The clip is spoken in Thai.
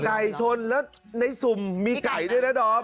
ไก่ชนแล้วในสุ่มมีไก่ด้วยนะดอม